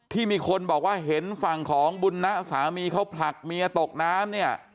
ที่มีคนบอกว่าเห็นฝั่งของบุญนะสามีเขาผลักเมียตกน้ำเนี่ย